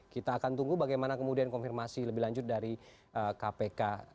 kita akan tunggu bagaimana kemudian konfirmasi lebih lanjut dari kpk